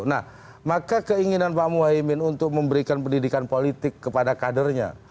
nah maka keinginan pak muhaymin untuk memberikan pendidikan politik kepada kadernya